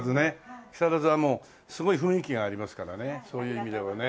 木更津はもうすごい雰囲気がありますからねそういう意味ではね。